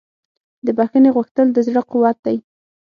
د بښنې غوښتل د زړه قوت دی.